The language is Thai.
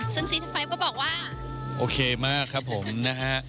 ซึ่งซีทไฟล์ก็บอกว่าโอเคมากครับผมนะฮะ